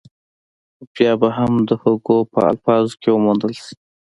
خو بيا به هم د هوګو په الفاظو کې وموندل شي.